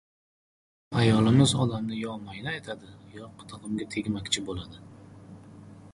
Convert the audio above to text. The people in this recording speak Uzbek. Ayolimiz odamni yo mayna etadi, yo qitig‘imga tegmakchi bo‘ladi.